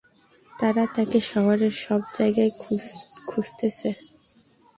তারা তাকে শহরের সবজায়গায় খুঁজতেছে।